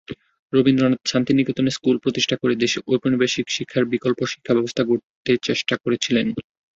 রবীন্দ্রনাথ শান্তিনিকেতনে স্কুল প্রতিষ্ঠা করে দেশে ঔপনিবেশিক শিক্ষার বিকল্প শিক্ষাব্যবস্থা গড়তে চেষ্টা করেছিলেন।